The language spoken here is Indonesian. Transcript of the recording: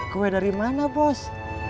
kue dari mana bos